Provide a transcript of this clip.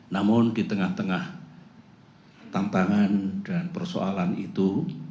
namun di tengah tengah tantangan dan persoalan itu